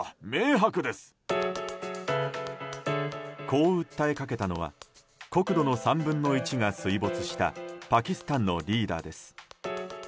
こう訴えかけたのは国土の３分の１が水没したパキスタンのリーダーです。